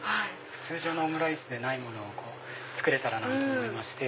通常のオムライスではないものを作れたらなと思いまして。